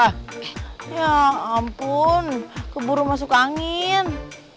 ya ampun keburu masuk angin